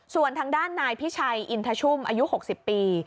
ส่วนทางด้านนายพิชัยอินทชุ่มอายุ๖๐ปี